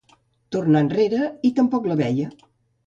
Tornà enrere i tampoc la veia.